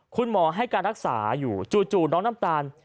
คุณหมอให้การรักษาอยู่จู่น้องน้ำตาล